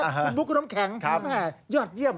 อุดบุกรมแข็งยอดเยี่ยม